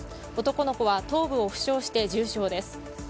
男の子は頭部を負傷して重傷です。